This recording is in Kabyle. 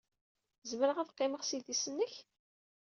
Zemreɣ ad qqimeɣ s idis-nnek?